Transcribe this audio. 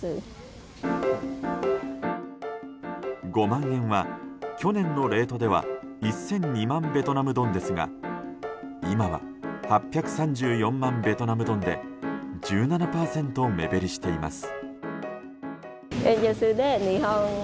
５万円は去年のレートでは１００２万円ベトナムドンですが今は、８３４万ベトナムドンで１７％目減りしています。